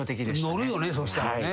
乗るよねそしたらね。